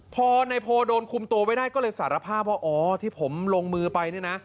พอในโพลโดนคุมตัวไว้ได้ก็เลยสารภาพว่าอ๋อที่ผมลงมือไปเนี่ยนะ